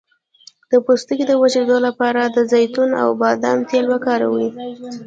د پوستکي د وچیدو لپاره د زیتون او بادام تېل وکاروئ